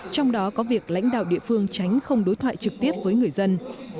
trong đó có việc lãnh đạo địa phương tránh không đối thoại trực tiếp với người dân